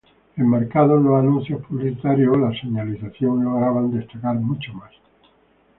Enmarcados, los anuncios publicitarios o la señalización lograban destacar mucho más.